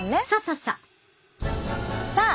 そうそうそう。